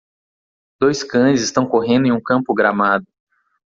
Dois cães estão correndo em um campo gramado.